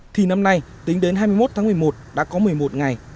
thì năm nay tính đến hai mươi một tháng một mươi một đã có một mươi một ngày